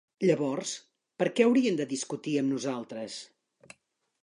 Llavors, per què haurien de discutir amb nosaltres?